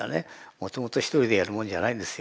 もともと１人でやるもんじゃないんですよ。